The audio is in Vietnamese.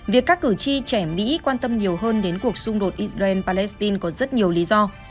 việc các cử tri trẻ mỹ quan tâm nhiều hơn đến cuộc xung đột israel palestine có rất nhiều lý do